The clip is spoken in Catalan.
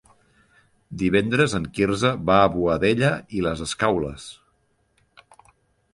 Divendres en Quirze va a Boadella i les Escaules.